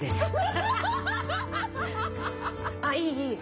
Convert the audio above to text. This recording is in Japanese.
・ああいいいい。